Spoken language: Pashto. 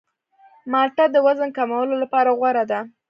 مالټه د وزن کمولو لپاره غوره ده.